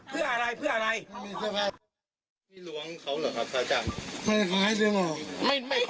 เพื่ออะไรเพื่ออะไรไม่มีเสื้อผ้า